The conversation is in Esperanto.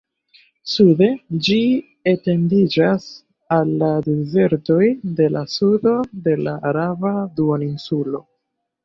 Sude, ĝi etendiĝas al la dezertoj de la sudo de la Araba Duoninsulo.